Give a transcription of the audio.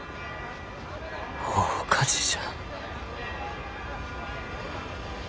大火事じゃ。